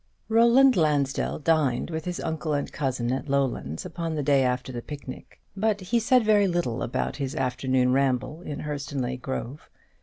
Roland Lansdell dined with his uncle and cousin at Lowlands upon the day after the picnic; but he said very little about his afternoon ramble in Hurstonleigh Grove.